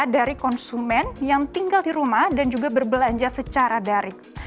dari konsumen yang tinggal di rumah dan juga berbelanja secara daring